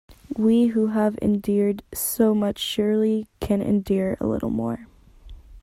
We who have endured so much surely can endure a little more.